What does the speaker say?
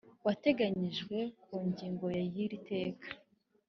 wateganyijwe ku ngingo ya y iri teka